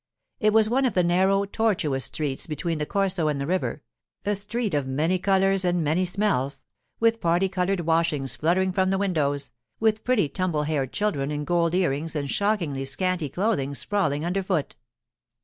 It was one of the narrow, tortuous streets between the Corso and the river; a street of many colours and many smells, with party coloured washings fluttering from the windows, with pretty tumble haired children in gold ear rings and shockingly scanty clothing sprawling underfoot.